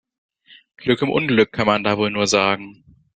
Glück im Unglück, kann man da wohl nur sagen.